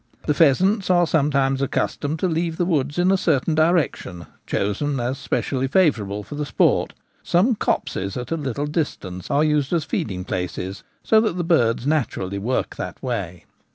The pheasants are sometimes accustomed to leave the wood in a certain direction chosen as specially favour able for the sport — some copses at a little distance are used as feeding places, so that the birds naturally work that way.